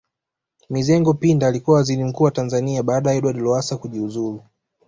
Mizengo Pinda alikuwa Waziri Mkuu wa Tanzania baada ya Edward Lowassa kujuzulu